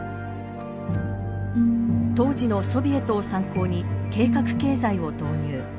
当時のソビエトを参考に計画経済を導入。